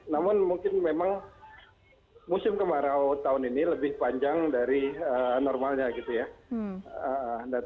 namun mungkin memang musim kemarau tahun ini lebih panjang dari normalnya gitu ya